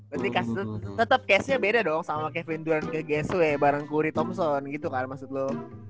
berarti kasus tetep casenya beda dong sama kevin durant ke guess who ya bareng curry thompson gitu kan maksud lo